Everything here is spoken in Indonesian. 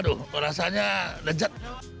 aduh rasanya lezat